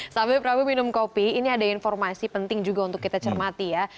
sambil prawi minum kopi ini ada informasi penting juga untuk kita cermati ya